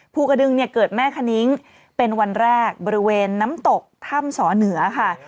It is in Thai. ภูกระดึงเนี่ยเกิดแม่คณิ้งเป็นวันแรกบริเวณน้ำตกถ้ำสอเหนือค่ะ